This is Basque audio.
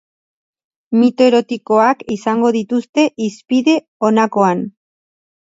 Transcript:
Mito erotikoak izango dituzte hizpide honakoan.